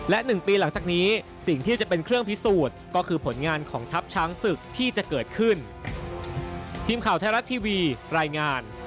และ๑ปีหลังจากนี้สิ่งที่จะเป็นเครื่องพิสูจน์ก็คือผลงานของทัพช้างศึกที่จะเกิดขึ้น